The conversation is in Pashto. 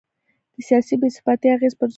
د سیاسي بې ثباتۍ اغېز پر ځوانانو دی.